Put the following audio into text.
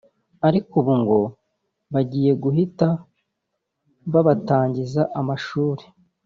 ariko ubu ngo bagiye guhita babatangiza amashuri